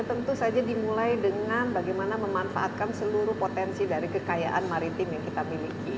tentu saja dimulai dengan bagaimana memanfaatkan seluruh potensi dari kekayaan maritim yang kita miliki